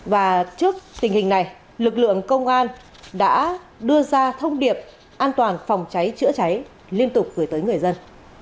và trước tình hình này lực lượng công an đã đưa ra thông điệp an toàn phòng cháy chữa cháy liên tục gửi tới người dân